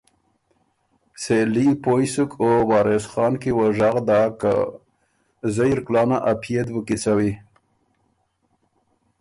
"سېلي پویٛ سُک او وارث خان کی وه ژغ داک که ""زئ اِر کلانا ا پئے ت بُو کیڅَوی"""